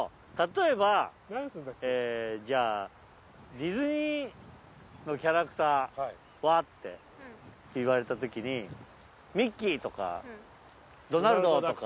ええじゃあディズニーのキャラクターは？」ってて言われた時に「ミッキー」とかドナルド」とか。